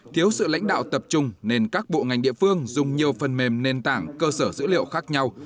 thiếu sự lãnh đạo tập trung nên các bộ ngành địa phương dùng nhiều phần mềm nền tảng cơ sở dữ liệu khác nhau